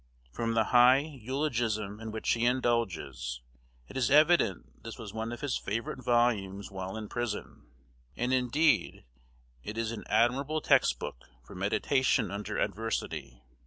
From the high eulogium in which he indulges, it is evident this was one of his favorite volumes while in prison; and indeed it is an admirable text book for meditation under adversity.